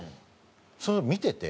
それを見てて。